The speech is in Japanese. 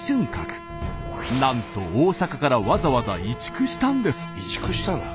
なんと大阪からわざわざ移築したんです。